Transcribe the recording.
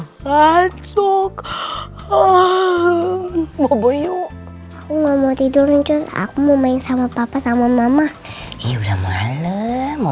nanti saya onu tahu